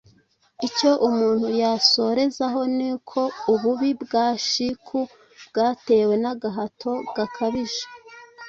Icyo umuntu yasozerezaho ni uko ububi bwa shiku bwatewe n'agahato gakabije